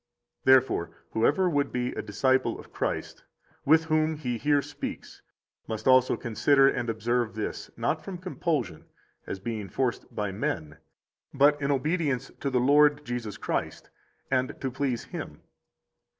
Therefore, whoever would be a disciple of Christ, with whom He here speaks, must also consider and observe this, not from compulsion, as being forced by men, but in obedience to the Lord Jesus Christ, and to please Him.